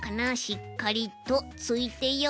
しっかりとついてよ